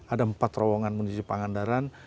ada empat terowongan menuju pangandaran